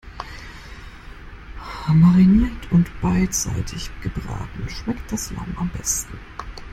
Mariniert und beidseitig gebraten schmeckt das Lamm am besten.